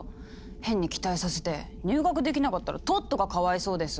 変に期待させて入学できなかったらトットがかわいそうです。